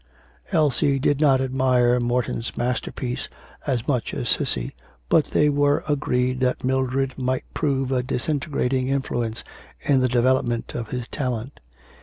"' Elsie did not admire Morton's masterpiece as much as Cissy. But they were agreed that Mildred might prove a disintegrating influence in the development of his talent.